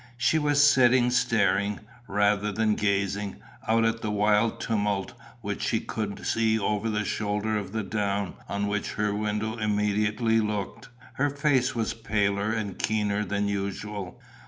She was sitting staring, rather than gazing, out at the wild tumult which she could see over the shoulder of the down on which her window immediately looked. Her face was paler and keener than usual.